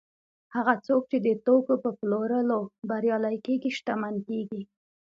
هغه څوک چې د توکو په پلورلو بریالي کېږي شتمن کېږي